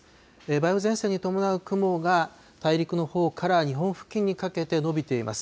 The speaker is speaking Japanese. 梅雨前線に伴う雲が、大陸のほうから日本付近にかけて延びています。